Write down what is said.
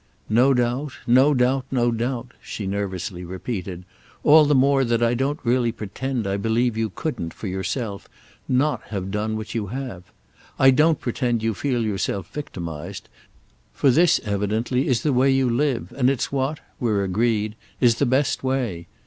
No doubt, no doubt, no doubt," she nervously repeated—"all the more that I don't really pretend I believe you couldn't, for yourself, not have done what you have. I don't pretend you feel yourself victimised, for this evidently is the way you live, and it's what—we're agreed—is the best way.